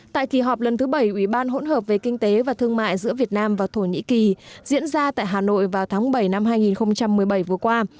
tại kỳ họp lần thứ bảy ủy ban hỗn hợp về kinh tế và thương mại giữa việt nam và thổ nhĩ kỳ diễn ra tại hà nội vào tháng bảy năm hai nghìn một mươi bảy vừa qua